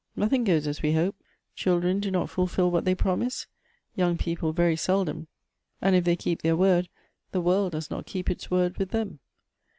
Nothing goes as wo hope. Children do not fulfil what they promise ; young people very seldom ;— and if they keep their word, the world does not keep its word with them."